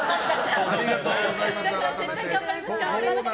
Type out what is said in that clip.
ありがとうございます、改めて。